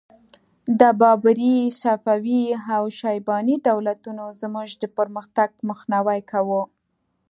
د بابري، صفوي او شیباني دولتونو زموږ د پرمختګ مخنیوی کاوه.